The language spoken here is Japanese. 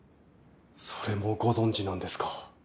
それもご存じなんですか。